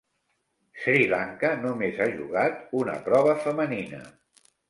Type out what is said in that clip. Sri Lanka només a jugat una prova femenina.